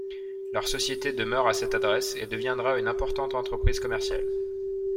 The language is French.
Leur société demeure à cet adresse, et deviendra une importante entreprise commerciale.